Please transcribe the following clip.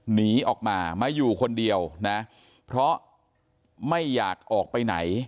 หนีออกมามาอยู่คนเดียวนะเพราะไม่อยากออกไปไหน